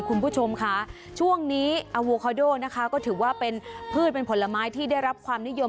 คุณผู้ชมค่ะช่วงนี้อโวคาโดนะคะก็ถือว่าเป็นพืชเป็นผลไม้ที่ได้รับความนิยม